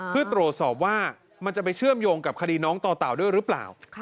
เพื่อตรวจสอบว่ามันจะไปเชื่อมโยงกับคดีน้องต่อเต่าด้วยหรือเปล่า